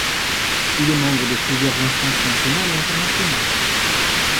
Il est membre de plusieurs instances nationales et internationales.